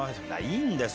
いいんだよ